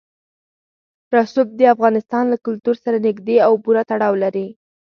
رسوب د افغانستان له کلتور سره نږدې او پوره تړاو لري.